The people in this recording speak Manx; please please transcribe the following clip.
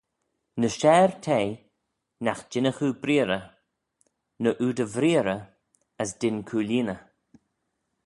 Ny share te, nagh jinnagh oo breearrey, na oo dy vreearrey, as dyn cooilleeney.